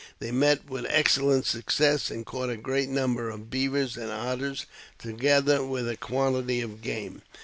They met with excellent success, and caught a great number of beavers and otters, together with a quantity of game.